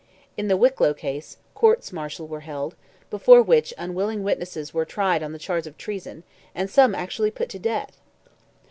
In the Wicklow case, courts martial were held, before which unwilling witnesses were tried on the charge of treason, and some actually put to death.